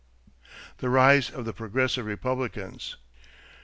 =The Rise of the Progressive Republicans.